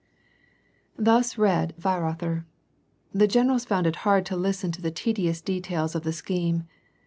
Thus read Weirother. The generals found it hard to listen to the tedious details of the scheme.